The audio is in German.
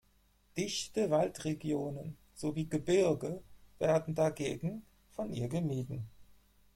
Dichte Waldregionen sowie Gebirge werden dagegen von ihr gemieden.